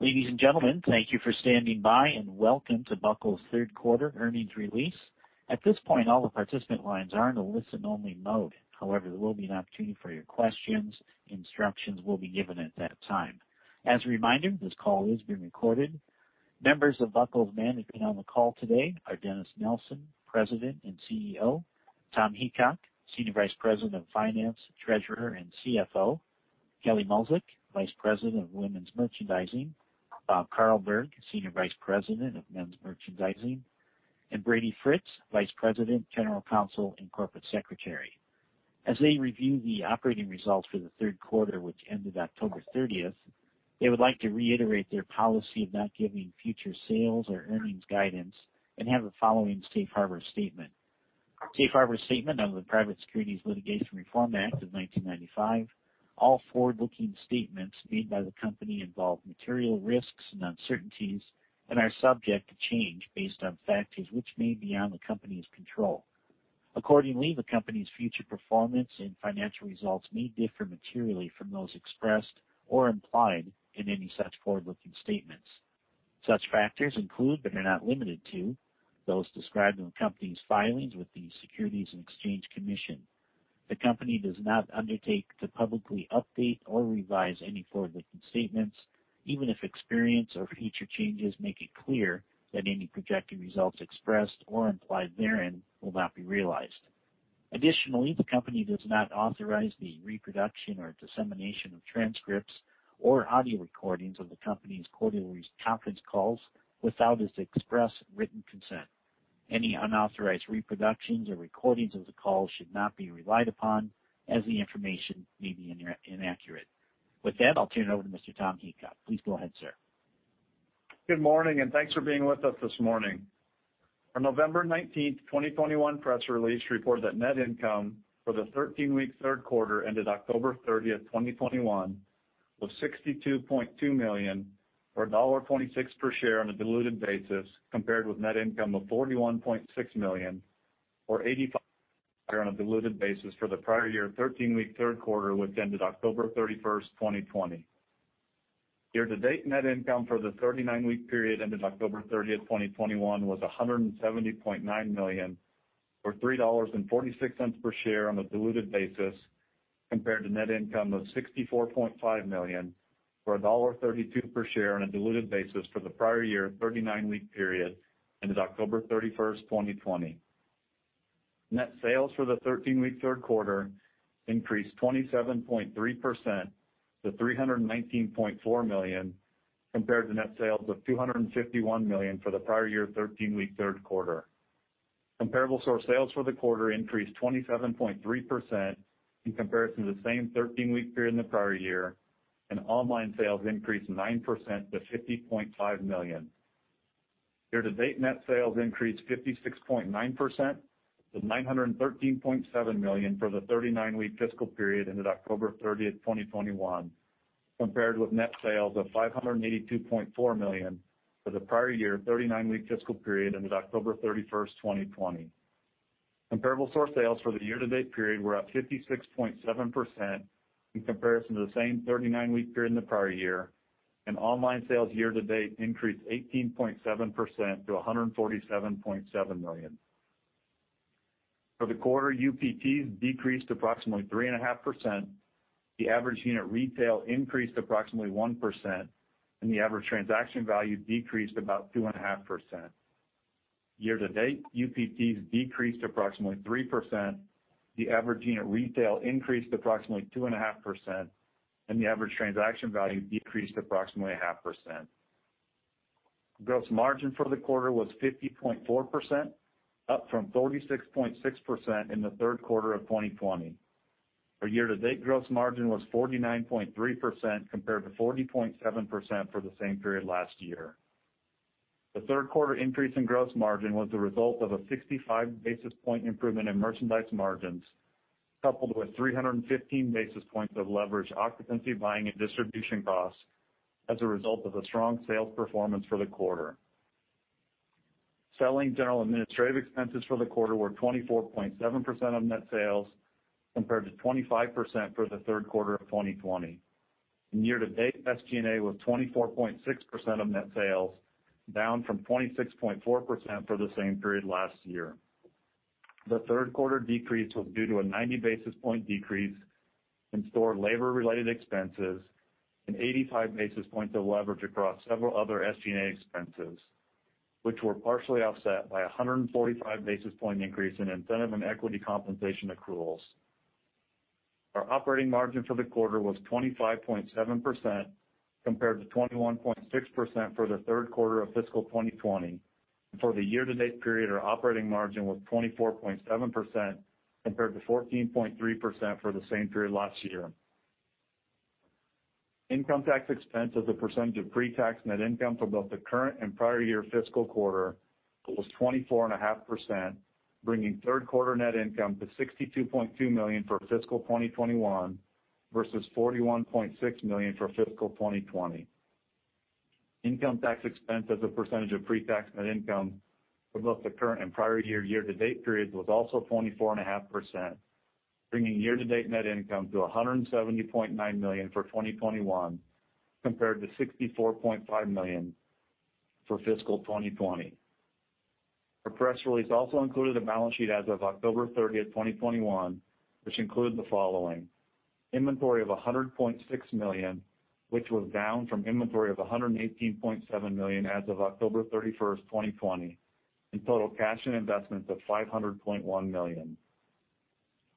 Ladies and gentlemen, thank you for standing by, and welcome to Buckle's third quarter earnings release. At this point, all the participant lines are in a listen-only mode. However, there will be an opportunity for your questions. Instructions will be given at that time. As a reminder, this call is being recorded. Members of Buckle's management on the call today are Dennis Nelson, President and CEO; Tom Heacock, Senior Vice President of Finance, Treasurer, and CFO; Kelli Molczyk, Vice President of Women's Merchandising; Bob Carlberg, Senior Vice President of Men's Merchandising; and Brady Fritz, Vice President, General Counsel, and Corporate Secretary. As they review the operating results for the third quarter, which ended October thirtieth, they would like to reiterate their policy of not giving future sales or earnings guidance and have the following safe harbor statement. Safe harbor statement under the Private Securities Litigation Reform Act of 1995. All forward-looking statements made by the company involve material risks and uncertainties and are subject to change based on factors which may be beyond the company's control. Accordingly, the company's future performance and financial results may differ materially from those expressed or implied in any such forward-looking statements. Such factors include, but are not limited to, those described in the company's filings with the Securities and Exchange Commission. The company does not undertake to publicly update or revise any forward-looking statements, even if experience or future changes make it clear that any projected results expressed or implied therein will not be realized. Additionally, the company does not authorize the reproduction or dissemination of transcripts or audio recordings of the company's quarterly conference calls without its express written consent. Any unauthorized reproductions or recordings of the call should not be relied upon as the information may be inaccurate. With that, I'll turn it over to Mr. Tom Heacock. Please go ahead, sir. Good morning, and thanks for being with us this morning. Our November 19, 2021 press release reported that net income for the 13-week third quarter ended October 30, 2021 was $62.2 million or $1.26 per share on a diluted basis compared with net income of $41.6 million or $0.85 per share on a diluted basis for the prior year 13-week third quarter, which ended October 31, 2020. Year-to-date net income for the 39-week period ended October 30, 2021 was $170.9 million or $3.46 per share on a diluted basis compared to net income of $64.5 million or $1.32 per share on a diluted basis for the prior year 39-week period ended October 31, 2020. Net sales for the thirteen-week third quarter increased 27.3% to $319.4 million compared to net sales of $251 million for the prior year thirteen-week third quarter. Comparable store sales for the quarter increased 27.3% in comparison to the same thirteen-week period in the prior year, and online sales increased 9% to $50.5 million. Year-to-date net sales increased 56.9% to $913.7 million for the thirty-nine-week fiscal period ended October 30, 2021, compared with net sales of $582.4 million for the prior year thirty-nine-week fiscal period ended October 31, 2020. Comparable store sales for the year-to-date period were up 56.7% in comparison to the same 39-week period in the prior year. Online sales year to date increased 18.7% to $147.7 million. For the quarter, UPTs decreased approximately 3.5%. The average unit retail increased approximately 1%, and the average transaction value decreased about 2.5%. Year to date, UPTs decreased approximately 3%. The average unit retail increased approximately 2.5%, and the average transaction value decreased approximately 0.5%. Gross margin for the quarter was 50.4%, up from 46.6% in the third quarter of 2020. Our year-to-date gross margin was 49.3% compared to 40.7% for the same period last year. The third quarter increase in gross margin was the result of a 65 basis point improvement in merchandise margins, coupled with 315 basis points of leverage occupancy buying and distribution costs as a result of the strong sales performance for the quarter. Selling general administrative expenses for the quarter were 24.7% of net sales, compared to 25% for the third quarter of 2020. Year to date, SG&A was 24.6% of net sales, down from 26.4% for the same period last year. The third quarter decrease was due to a 90 basis point decrease in store labor related expenses and 85 basis points of leverage across several other SG&A expenses, which were partially offset by a 145 basis point increase in incentive and equity compensation accruals. Our operating margin for the quarter was 25.7%, compared to 21.6% for the third quarter of fiscal 2020. For the year to date period, our operating margin was 24.7% compared to 14.3% for the same period last year. Income tax expense as a percentage of pre-tax net income for both the current and prior year fiscal quarter was 24.5%, bringing third quarter net income to $62.2 million for fiscal 2021 versus $41.6 million for fiscal 2020. Income tax expense as a percentage of pre-tax net income for both the current and prior year year-to-date periods was also 24.5%, bringing year-to-date net income to $170.9 million for 2021 compared to $64.5 million for fiscal 2020. Our press release also included a balance sheet as of October 30, 2021, which included the following. Inventory of $100.6 million, which was down from inventory of $118.7 million as of October 31, 2020, and total cash and investments of $500.1 million.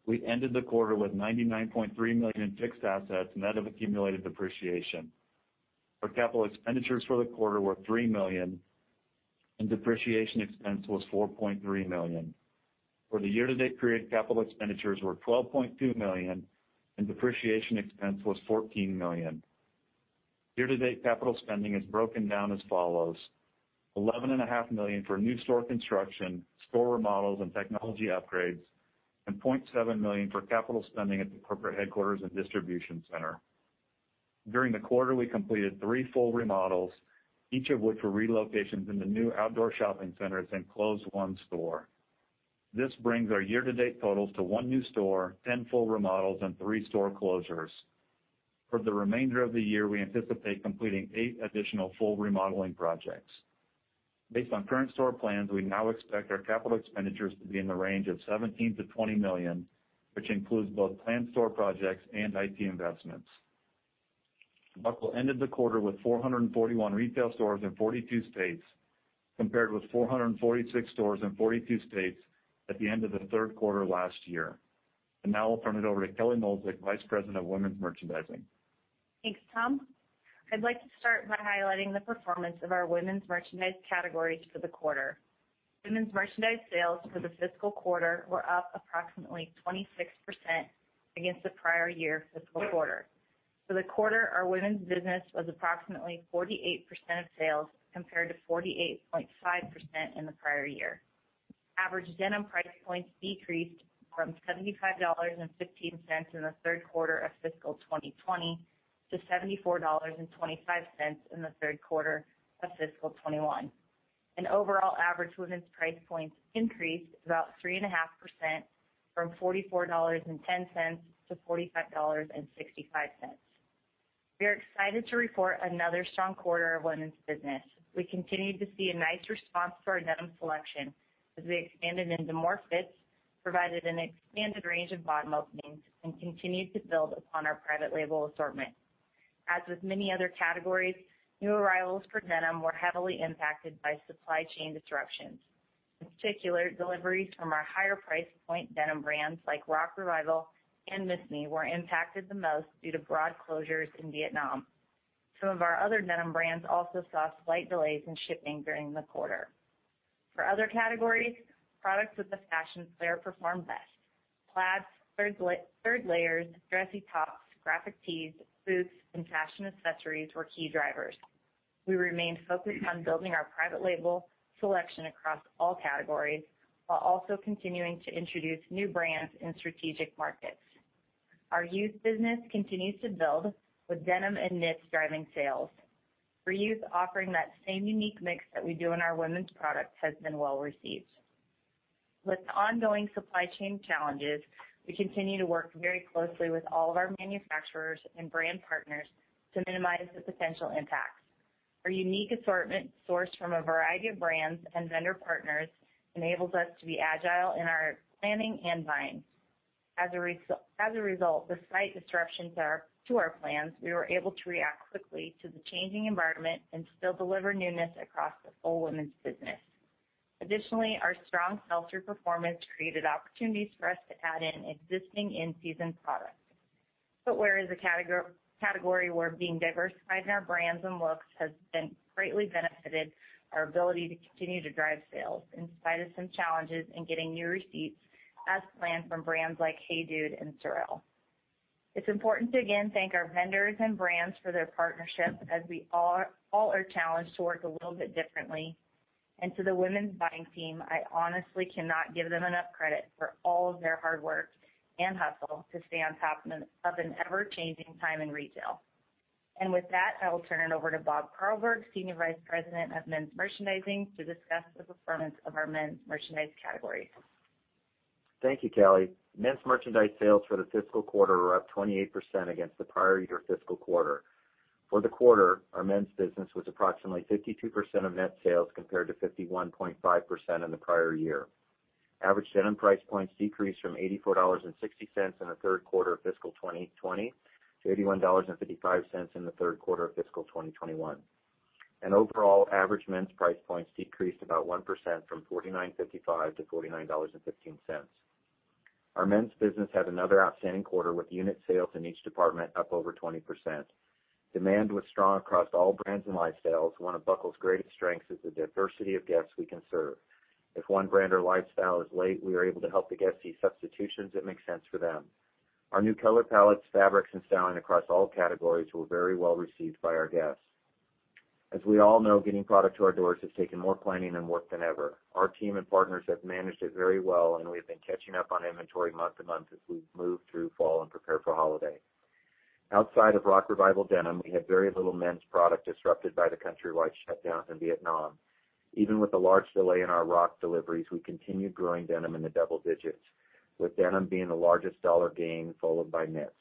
We ended the quarter with $99.3 million in fixed assets, net of accumulated depreciation. Our capital expenditures for the quarter were $3 million and depreciation expense was $4.3 million. For the year-to-date period, capital expenditures were $12.2 million and depreciation expense was $14 million. Year-to-date capital spending is broken down as follows. $11.5 million for new store construction, store remodels, and technology upgrades, and $0.7 million for capital spending at the corporate headquarters and distribution center. During the quarter, we completed three full remodels, each of which were relocations into new outdoor shopping centers and closed one store. This brings our year-to-date totals to one new store, 10 full remodels, and three store closures. For the remainder of the year, we anticipate completing eight additional full remodeling projects. Based on current store plans, we now expect our capital expenditures to be in the range of $17 million-$20 million, which includes both planned store projects and IT investments. Buckle ended the quarter with 441 retail stores in 42 states, compared with 446 stores in 42 states at the end of the third quarter last year. Now I'll turn it over to Kelli Molczyk, Vice President of Women's Merchandising. Thanks, Tom. I'd like to start by highlighting the performance of our women's merchandise categories for the quarter. Women's merchandise sales for the fiscal quarter were up approximately 26% against the prior year fiscal quarter. For the quarter, our women's business was approximately 48% of sales compared to 48.5% in the prior year. Average denim price points decreased from $75.15 in the third quarter of fiscal 2020 to $74.25 in the third quarter of fiscal 2021. Overall average women's price points increased about 3.5% from $44.10 to $45.65. We are excited to report another strong quarter of women's business. We continued to see a nice response to our denim selection as we expanded into more fits, provided an expanded range of bottom openings, and continued to build upon our private label assortment. As with many other categories, new arrivals for denim were heavily impacted by supply chain disruptions. In particular, deliveries from our higher price point denim brands like Rock Revival and Miss Me were impacted the most due to broad closures in Vietnam. Some of our other denim brands also saw slight delays in shipping during the quarter. For other categories, products with a fashion flair performed best. Plaids, third layer-third layers, dressy tops, graphic tees, boots, and fashion accessories were key drivers. We remain focused on building our private label selection across all categories while also continuing to introduce new brands in strategic markets. Our youth business continues to build with denim and knits driving sales. For youth, offering that same unique mix that we do in our women's products has been well received. With the ongoing supply chain challenges, we continue to work very closely with all of our manufacturers and brand partners to minimize the potential impacts. Our unique assortment, sourced from a variety of brands and vendor partners, enables us to be agile in our planning and buying. As a result, despite disruptions to our plans, we were able to react quickly to the changing environment and still deliver newness across the full women's business. Additionally, our strong sell-through performance created opportunities for us to add in existing in-season products. Footwear is a category where being diversified in our brands and looks has greatly benefited our ability to continue to drive sales in spite of some challenges in getting new receipts as planned from brands like HEYDUDE and SOREL. It's important to again thank our vendors and brands for their partnership as we all are challenged to work a little bit differently. To the women's buying team, I honestly cannot give them enough credit for all of their hard work and hustle to stay on top of an ever-changing time in retail. With that, I will turn it over to Bob Carlberg, Senior Vice President of Men's Merchandising, to discuss the performance of our men's merchandise categories. Thank you, Kelli. Men's merchandise sales for the fiscal quarter were up 28% against the prior year fiscal quarter. For the quarter, our men's business was approximately 52% of net sales compared to 51.5% in the prior year. Average denim price points decreased from $84.60 in the third quarter of fiscal 2020 to $81.55 in the third quarter of fiscal 2021. Overall, average men's price points decreased about 1% from $49.55 to $49.15. Our men's business had another outstanding quarter with unit sales in each department up over 20%. Demand was strong across all brands and lifestyles. One of Buckle's greatest strengths is the diversity of guests we can serve. If one brand or lifestyle is late, we are able to help the guest see substitutions that make sense for them. Our new color palettes, fabrics, and styling across all categories were very well received by our guests. As we all know, getting product to our doors has taken more planning and work than ever. Our team and partners have managed it very well, and we have been catching up on inventory month to month as we've moved through fall and prepare for holiday. Outside of Rock Revival denim, we had very little men's product disrupted by the countrywide shutdowns in Vietnam. Even with the large delay in our Rock deliveries, we continued growing denim in the double digits, with denim being the largest dollar gain, followed by knits.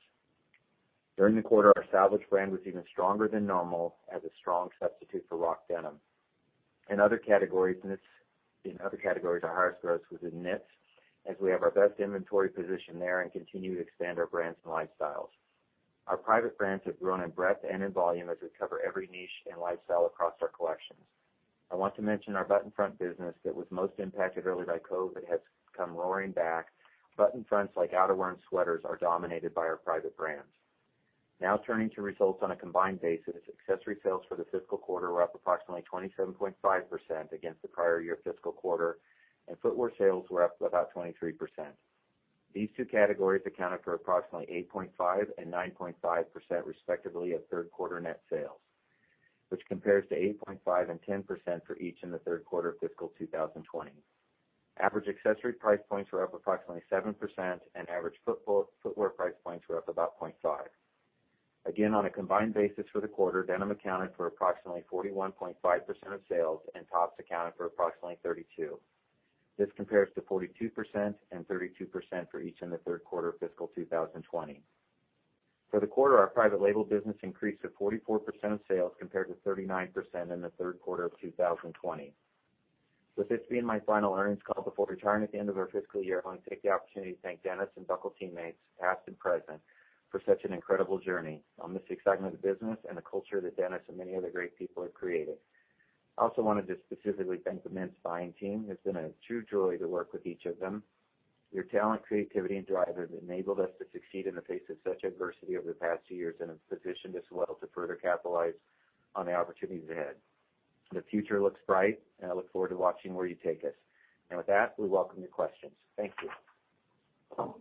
During the quarter, our Salvage brand was even stronger than normal as a strong substitute for Rock denim. In other categories, our highest growth was in knits, as we have our best inventory position there and continue to expand our brands and lifestyles. Our private brands have grown in breadth and in volume as we cover every niche and lifestyle across our collections. I want to mention our button front business that was most impacted early by COVID has come roaring back. Button fronts, like outerwear and sweaters, are dominated by our private brands. Now turning to results on a combined basis. Accessory sales for the fiscal quarter were up approximately 27.5% against the prior year fiscal quarter, and footwear sales were up about 23%. These two categories accounted for approximately 8.5% and 9.5% respectively of third quarter net sales, which compares to 8.5% and 10% for each in the third quarter of fiscal 2020. Average accessory price points were up approximately 7%, and average footwear price points were up about 0.5%. Again, on a combined basis for the quarter, denim accounted for approximately 41.5% of sales, and tops accounted for approximately 32%. This compares to 42% and 32% for each in the third quarter of fiscal 2020. For the quarter, our private label business increased to 44% of sales compared to 39% in the third quarter of 2020. With this being my final earnings call before retiring at the end of our fiscal year, I want to take the opportunity to thank Dennis and Buckle teammates, past and present, for such an incredible journey. I'll miss the excitement of the business and the culture that Dennis and many other great people have created. I also wanted to specifically thank the men's buying team. It's been a true joy to work with each of them. Your talent, creativity, and drive have enabled us to succeed in the face of such adversity over the past two years and have positioned us well to further capitalize on the opportunities ahead. The future looks bright, and I look forward to watching where you take us. With that, we welcome your questions. Thank you.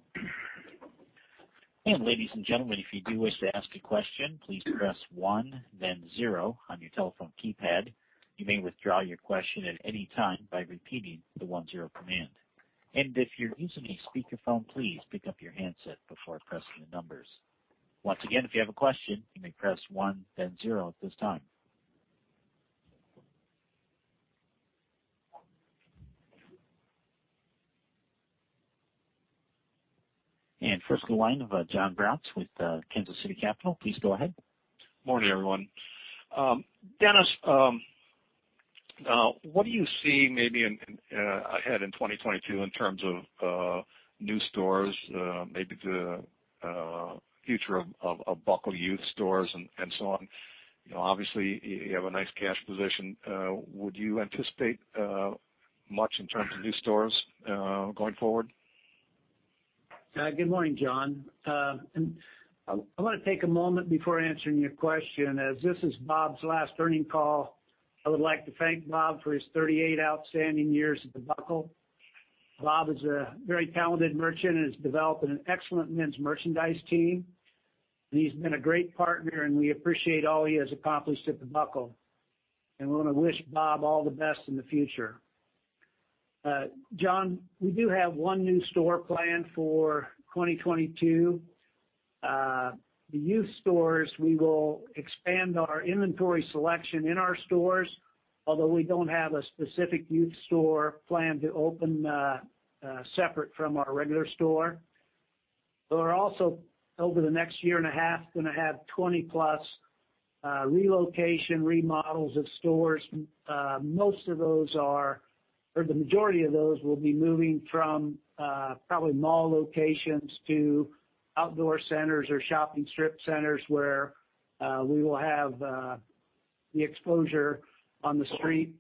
Ladies and gentlemen, if you do wish to ask a question, please press 1 then 0 on your telephone keypad. You may withdraw your question at any time by repeating the 1-0 command. If you're using a speakerphone, please pick up your handset before pressing the numbers. Once again, if you have a question, you may press 1, then 0 at this time. First in line is Jon Braatz with Kansas City Capital, please go ahead. Morning, everyone. Dennis, what do you see maybe ahead in 2022 in terms of new stores, maybe the future of Buckle youth stores and so on? You know, obviously you have a nice cash position. Would you anticipate much in terms of new stores going forward? Good morning, Jon. I wanna take a moment before answering your question. As this is Bob's last earnings call, I would like to thank Bob for his 38 outstanding years at The Buckle. Bob is a very talented merchant and has developed an excellent men's merchandise team. He's been a great partner, and we appreciate all he has accomplished at The Buckle. We wanna wish Bob all the best in the future. Jon, we do have one new store planned for 2022. The youth stores, we will expand our inventory selection in our stores, although we don't have a specific youth store planned to open separate from our regular store. We're also, over the next year and a half, gonna have 20-plus relocation remodels of stores. Most of those or the majority of those will be moving from probably mall locations to outdoor centers or shopping strip centers, where we will have the exposure on the street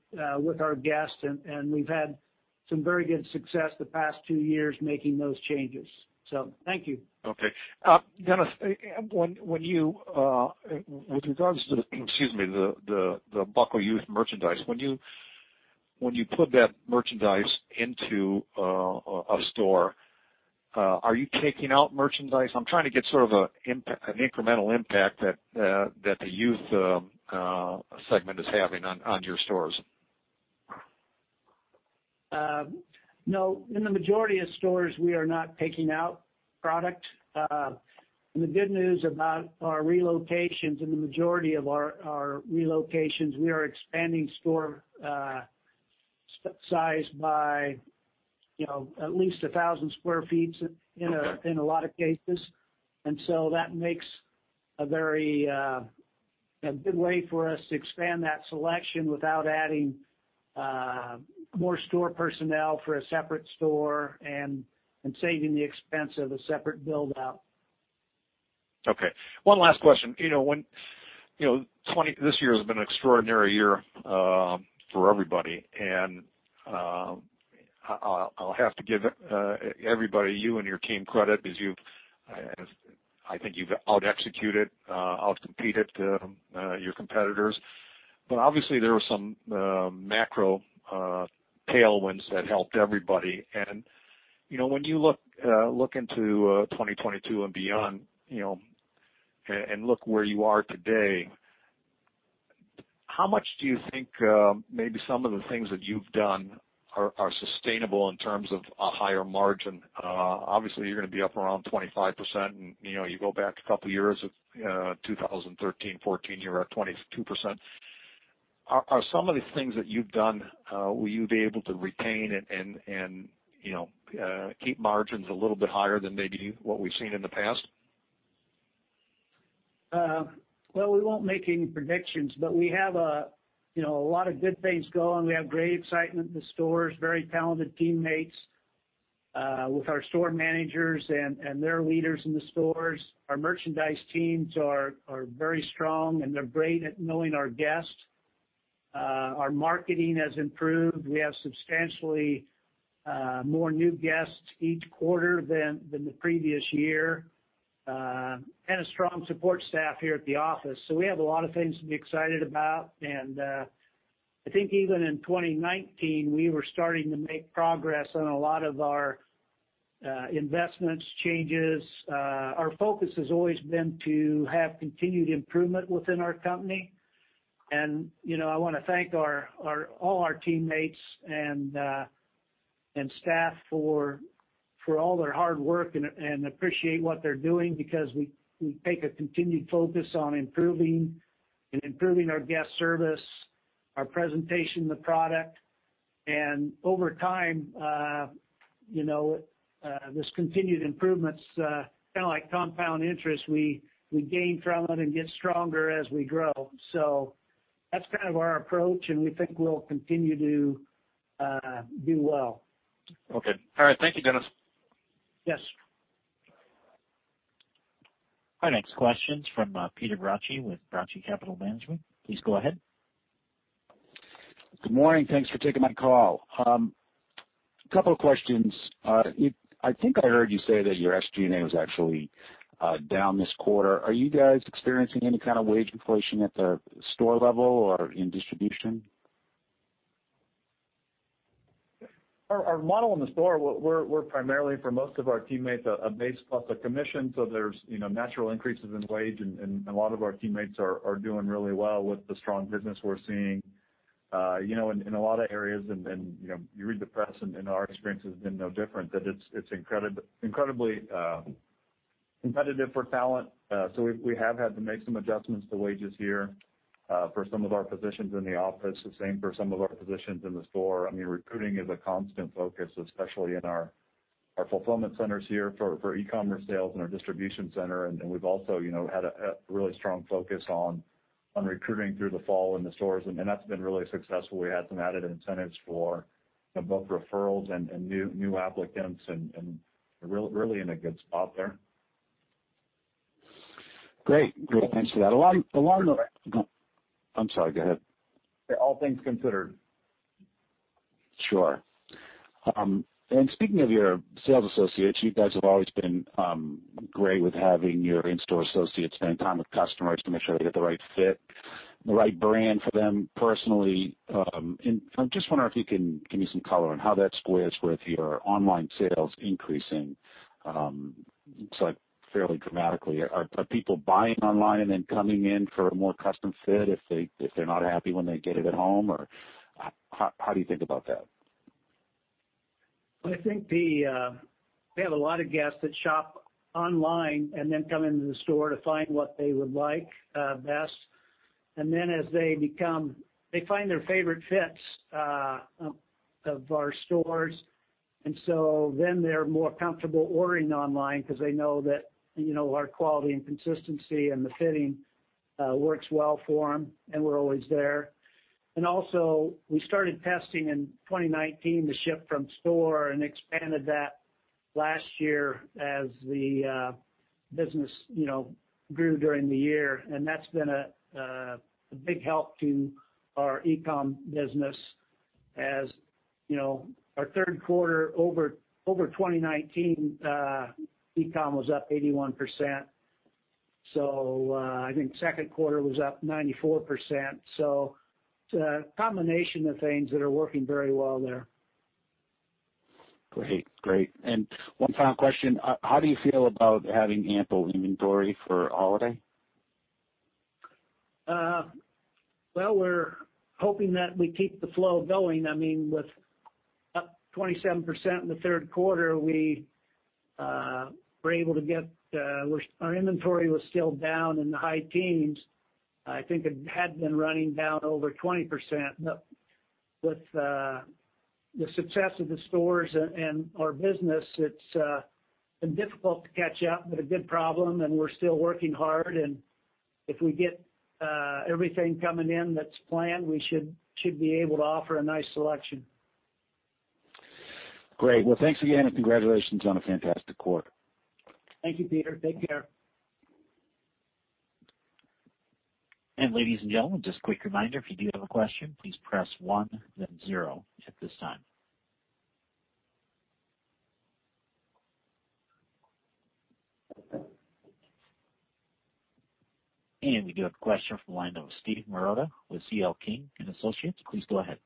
with our guests. We've had some very good success the past two years making those changes. Thank you. Okay. Dennis, when you with regards to the Buckle youth merchandise, when you put that merchandise into a store, are you taking out merchandise? I'm trying to get sort of an incremental impact that the youth segment is having on your stores. No. In the majority of stores, we are not taking out product. The good news about our relocations, in the majority of our relocations, we are expanding store size by, you know, at least 1,000 sq ft in a lot of cases. That makes a very good way for us to expand that selection without adding more store personnel for a separate store and saving the expense of a separate build out. Okay. One last question. This year has been an extraordinary year for everybody. I'll have to give everybody, you and your team credit because I think you've out executed, out competed your competitors. But obviously, there were some macro tailwinds that helped everybody. You know, when you look into 2022 and beyond, you know, and look where you are today. How much do you think maybe some of the things that you've done are sustainable in terms of a higher margin? Obviously you're gonna be up around 25% and, you know, you go back a couple years of 2013, 2014, you were at 22%. Are some of the things that you've done, will you be able to retain and, you know, keep margins a little bit higher than maybe what we've seen in the past? Well, we won't make any predictions, but we have a, you know, a lot of good things going. We have great excitement in the stores, very talented teammates, with our store managers and their leaders in the stores. Our merchandise teams are very strong, and they're great at knowing our guests. Our marketing has improved. We have substantially more new guests each quarter than the previous year, and a strong support staff here at the office. We have a lot of things to be excited about. I think even in 2019, we were starting to make progress on a lot of our investments changes. Our focus has always been to have continued improvement within our company. You know, I wanna thank all our teammates and staff for all their hard work and appreciate what they're doing because we take a continued focus on improving our guest service, our presentation of the product. Over time, you know, this continued improvements kinda like compound interest, we gain from it and get stronger as we grow. That's kind of our approach, and we think we'll continue to do well. Okay. All right. Thank you, Dennis. Yes. Our next question's from Peter Brotchie with Brotchie Capital Management. Please go ahead. Good morning. Thanks for taking my call. Couple of questions. I think I heard you say that your SG&A was actually down this quarter. Are you guys experiencing any kind of wage inflation at the store level or in distribution? Our model in the store, we're primarily for most of our teammates a base plus a commission, so there's you know natural increases in wage and a lot of our teammates are doing really well with the strong business we're seeing you know in a lot of areas. You know, you read the press and our experience has been no different, that it's incredibly competitive for talent. So we have had to make some adjustments to wages here for some of our positions in the office. The same for some of our positions in the store. I mean, recruiting is a constant focus, especially in our fulfillment centers here for e-commerce sales and our distribution center. We've also, you know, had a really strong focus on recruiting through the fall in the stores, and that's been really successful. We had some added incentives for both referrals and new applicants and we're really in a good spot there. Great. Thanks for that. Go. I'm sorry, go ahead. All things considered. Sure. Speaking of your sales associates, you guys have always been great with having your in-store associates spend time with customers to make sure they get the right fit, the right brand for them personally. I'm just wondering if you can give me some color on how that squares with your online sales increasing, it's like fairly dramatically. Are people buying online and coming in for a more custom fit if they're not happy when they get it at home? Or how do you think about that? I think we have a lot of guests that shop online and then come into the store to find what they would like best. They find their favorite fits in our stores. They're more comfortable ordering online 'cause they know that, you know, our quality and consistency and the fitting works well for them, and we're always there. We started testing in 2019 the ship from store and expanded that last year as the business, you know, grew during the year. That's been a big help to our e-com business. As you know, our third quarter over 2019 e-com was up 81%. I think second quarter was up 94%. It's a combination of things that are working very well there. Great. One final question. How do you feel about having ample inventory for holiday? Well, we're hoping that we keep the flow going. I mean, with up 27% in the third quarter, we were able to get, which our inventory was still down in the high teens. I think it had been running down over 20%. With the success of the stores and our business, it's been difficult to catch up, but a good problem, and we're still working hard. If we get everything coming in that's planned, we should be able to offer a nice selection. Great. Well, thanks again, and congratulations on a fantastic quarter. Thank you, Peter. Take care. Ladies and gentlemen, just a quick reminder, if you do have a question, please press 1 then 0 at this time. We do have a question from the line of Steve Marotta with C.L. King & Associates. Please go ahead.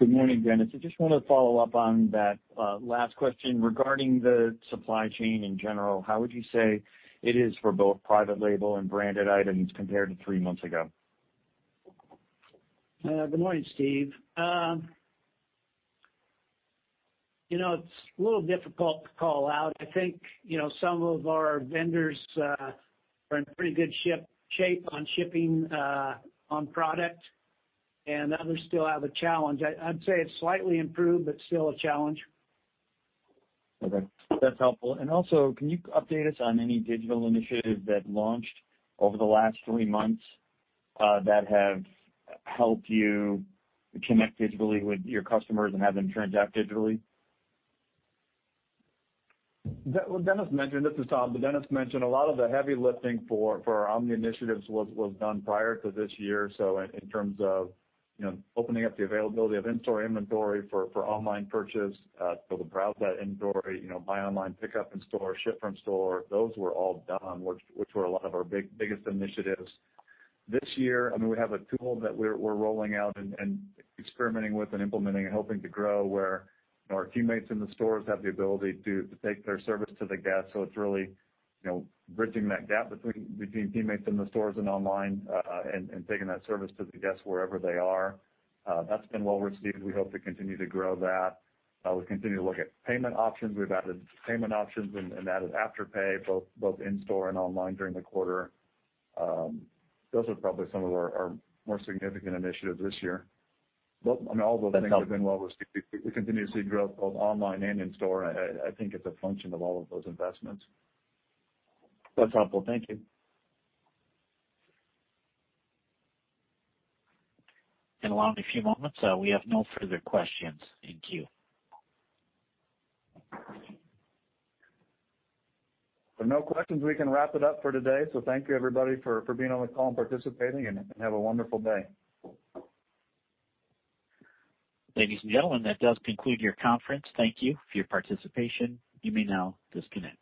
Good morning, Dennis. I just want to follow up on that last question regarding the supply chain in general. How would you say it is for both private label and branded items compared to three months ago? Good morning, Steve. You know, it's a little difficult to call out. I think, you know, some of our vendors are in pretty good ship-shape on shipping on product, and others still have a challenge. I'd say it's slightly improved but still a challenge. Okay, that's helpful. Can you update us on any digital initiatives that launched over the last three months that have helped you connect digitally with your customers and have them transact digitally? Dennis mentioned, this is Tom. Dennis mentioned a lot of the heavy lifting for our omni initiatives was done prior to this year. In terms of, you know, opening up the availability of in-store inventory for online purchase, for the browse inventory, you know, buy online, pickup in store, ship from store, those were all done, which were a lot of our biggest initiatives. This year, I mean, we have a tool that we're rolling out and experimenting with and implementing and hoping to grow where our teammates in the stores have the ability to take their service to the guest. It's really, you know, bridging that gap between teammates in the stores and online, and taking that service to the guests wherever they are. That's been well received. We hope to continue to grow that. We continue to look at payment options. We've added payment options and added Afterpay both in-store and online during the quarter. Those are probably some of our more significant initiatives this year. I mean, all the things have been well received. We continue to see growth both online and in-store. I think it's a function of all of those investments. That's helpful. Thank you. In a few moments, we have no further questions in queue. With no questions, we can wrap it up for today. Thank you everybody for being on the call and participating, and have a wonderful day. Ladies and gentlemen, that does conclude your conference. Thank you for your participation. You may now disconnect.